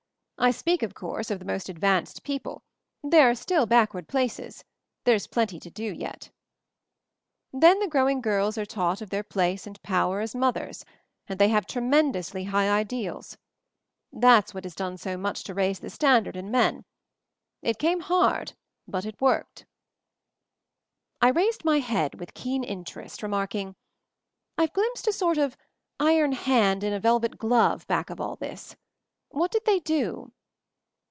I speak, of course, of the most advanced people — there are still backward places — there's plenty to do yet. "Then the growing girls are taught of their place and power as mothers — and they have tremendously high ideals. That's what 108 MOVING THE MOUNTAIN has done so much to raise the standard in men. It came hard, but it worked." I raised my head with keen interest, re marking, "I've glimpsed a sort of Iron hand in a velvet glove* back of all this. What did they do?"